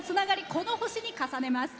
この星に重ねます。